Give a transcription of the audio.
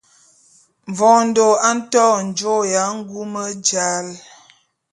Mvondo a nto njôô ya ngume jal.